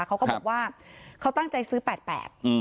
เขาก็บอกว่าเขาตั้งใจซื้อ๘๘